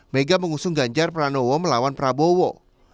mega mengusung ganjar pranowo melawan prabowo